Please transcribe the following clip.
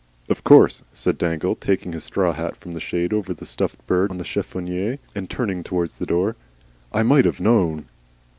"Of course," said Dangle, taking his straw hat from the shade over the stuffed bird on the chiffonier and turning towards the door. "I might have known."